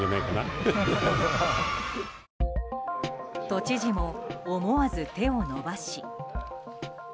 都知事も思わず手を伸ばし。